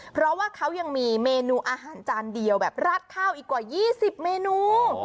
เพราะว่าเขายังมีเมนูอาหารจานเดียวแบบราดข้าวอีกกว่า๒๐เมนู